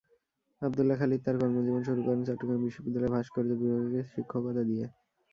আব্দুল্লাহ খালিদ তার কর্মজীবন শুরু করেন চট্টগ্রাম বিশ্ববিদ্যালয়ে ভাস্কর্য বিভাগে শিক্ষকতা দিয়ে।